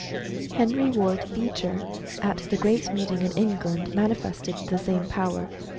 Henry Ward Beecher, at the great meeting in Eng land, manifested the same power.